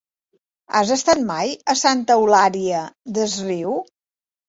Has estat mai a Santa Eulària des Riu?